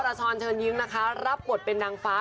ช้อนเชิญยิ้มนะคะรับบทเป็นนางฟ้า